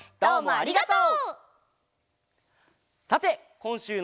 ありがとう！